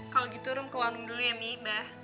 kalau gitu rum ke warung dulu ya mie mbah